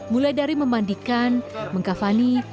mulai dari memandikan mengkavani